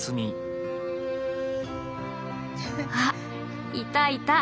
あいたいた。